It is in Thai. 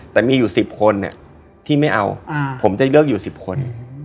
แต่มีอยู่สิบคนเนี่ยที่ไม่เอาผมจะเลือกอยู่สิบคน